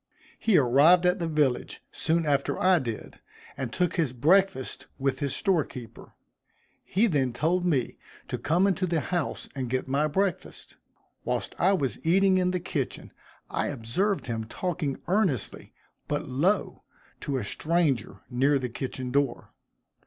He arrived at the village soon after I did, and took his breakfast with his store keeper. He then told me to come into the house and get my breakfast. Whilst I was eating in the kitchen, I observed him talking earnestly, but low, to a stranger near the kitchen door.